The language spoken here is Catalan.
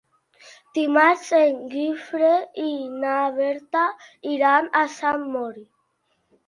Dimarts en Guifré i na Berta iran a Sant Mori.